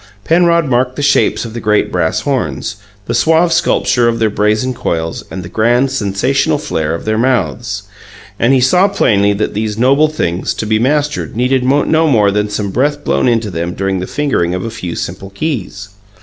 Penrod marked the shapes of the great bass horns, the suave sculpture of their brazen coils, and the grand, sensational flare of their mouths. And he saw plainly that these noble things, to be mastered, needed no more than some breath blown into them during the fingering of a few simple keys.